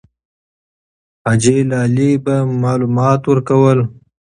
حاجي لالی به معلومات ورکول.